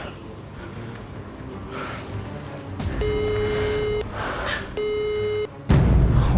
turk bunuh boris